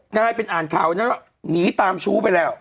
น่าให้เป็นอ่านข่าวนั้นแล้วหนีตามชู้ไปแล้ว